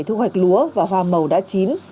thu hoạch lúa và hoa màu đã chín